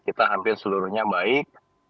kita hampir seluruhnya baik